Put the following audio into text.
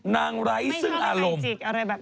ไร้ซึ่งอารมณ์